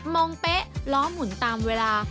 งงเป๊ะล้อหมุนตามเวลา